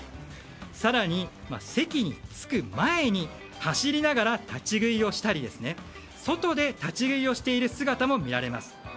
更に、席に着く前に走りながら立ち食いをしたり外で立ち食いをしている姿も見られます。